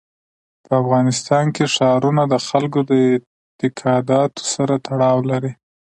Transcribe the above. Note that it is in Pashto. په افغانستان کې ښارونه د خلکو د اعتقاداتو سره تړاو لري.